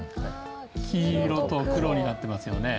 黄色と黒になってますよね。